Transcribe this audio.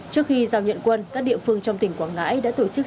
trước khi giao nhận quân các địa phương trong tỉnh quảng ngãi đã tổ chức